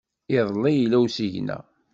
Iḍelli yella usigna.